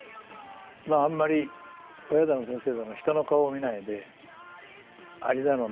まああんまり親だの先生だの人の顔を見ないでアリだのね